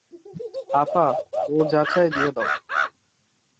আপা, ও যা চায় দিয়ে দাও।